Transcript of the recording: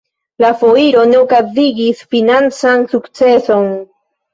La foiro ne okazigis financan sukceson.